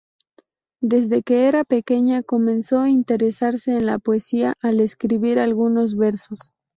Desde que era pequeña comenzó a interesarse en la poesía al escribir algunos versos.